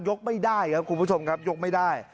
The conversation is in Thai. กไม่ได้ครับคุณผู้ชมครับยกไม่ได้